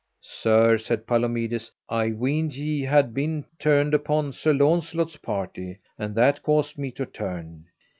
Sir, said Palomides, I weened ye had been turned upon Sir Launcelot's party, and that caused me to turn.